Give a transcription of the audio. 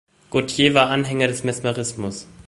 Gautier war Anhänger des Mesmerismus.